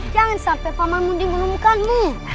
jangan sampai paman munding menemukanmu